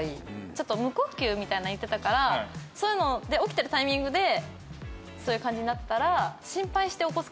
ちょっと無呼吸みたいに言ってたからそういうので起きてるタイミングでそういう感じになってたら心配して起こすかもしれない。